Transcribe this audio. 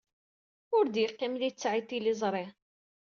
Ur d-yeqqim littseɛ i tliẓri.